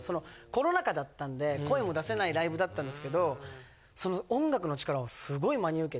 コロナ禍だったんで声も出せないライブだったんですけど音楽の力をすごい真に受けて。